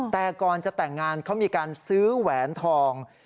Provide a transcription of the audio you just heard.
แต่ก่อนจะแต่งงานเขามีการซื้อแหวนทอง